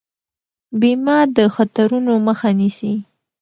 بیمه د خطرونو مخه نیسي.